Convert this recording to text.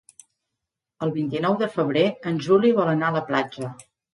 El vint-i-nou de febrer en Juli vol anar a la platja.